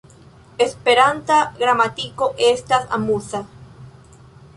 Esperanta gramatiko estas amuza!